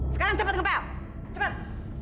sekarang cepet ngepel cepet